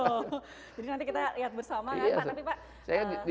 jadi nanti kita lihat bersama ya pak